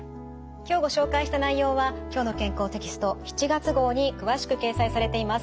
今日ご紹介した内容は「きょうの健康」テキスト７月号に詳しく掲載されています。